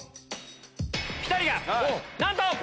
ピタリがなんと。